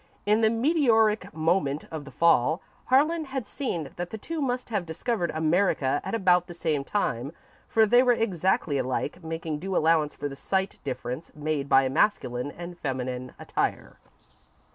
In the meteoric moment of the fall, Harlan had seen that the two must have discovered America at about the same time, for they were exactly alike, making due allowance for the slight difference made by masculine and feminine attire.